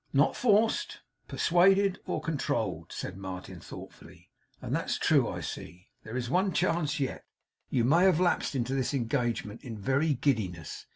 'Not forced, persuaded, or controlled,' said Martin, thoughtfully. 'And that's true, I see. There is one chance yet. You may have lapsed into this engagement in very giddiness.